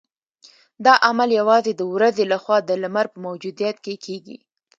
دا عمل یوازې د ورځې لخوا د لمر په موجودیت کې کیږي